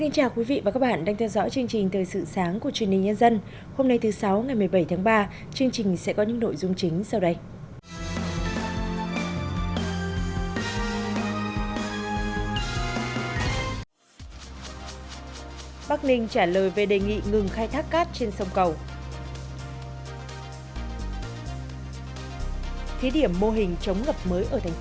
các bạn hãy đăng kí cho kênh lalaschool để không bỏ lỡ những video hấp dẫn